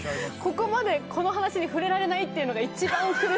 ここまでこの話に触れられないっていうのが一番苦しい時間でしたよ。